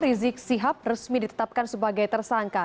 rizik sihab resmi ditetapkan sebagai tersangka